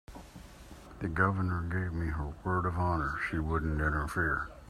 The Governor gave me her word of honor she wouldn't interfere.